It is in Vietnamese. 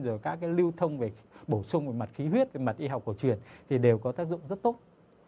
rồi các cái lưu thông về bổ sung về mặt khí huyết về mặt y học cổ truyền thì đều có tác dụng rất tốt